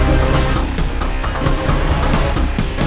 ada masalah apa lagi ya